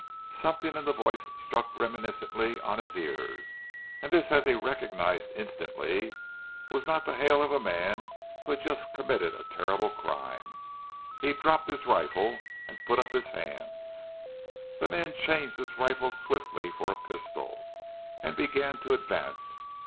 Something in the voice struck reminiscently on his ears, and this, as he recognized instantly, was not the hail of a man who had just committed a terrible crime. He dropped his rifle and put up his hands. The man changed his rifle swiftly for a pistol, and began to advance.